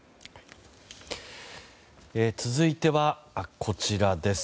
続いて、こちらです。